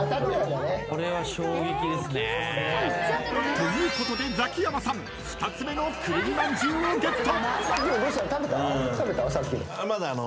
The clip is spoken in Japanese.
ということでザキヤマさん２つ目のくるみまんじゅうをゲット］